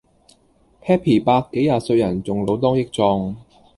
Happy 伯幾廿歲人仲老當益壯